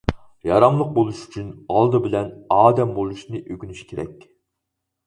ياراملىق بولۇش ئۈچۈن، ئالدى بىلەن ئادەم بولۇشنى ئۆگىنىش كېرەك.